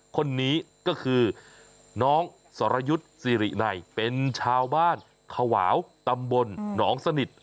คนนี้ก็คือน้องสรยุทธ์สิรินัยเป็นชาวบ้านขวาวตำบลหนองสนิท